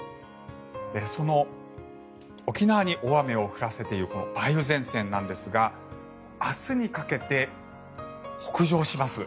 その沖縄に大雨を降らせているこの梅雨前線なんですが明日にかけて北上します。